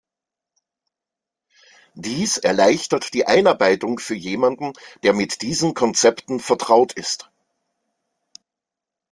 Dies erleichtert die Einarbeitung für jemanden, der mit diesen Konzepten vertraut ist.